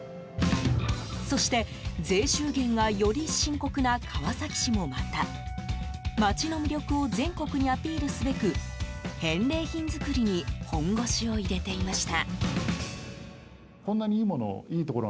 そして、税収減がより深刻な川崎市もまた街の魅力を全国にアピールすべく返礼品作りに本腰を入れていました。